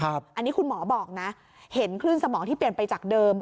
อันนี้คุณหมอบอกนะเห็นคลื่นสมองที่เปลี่ยนไปจากเดิม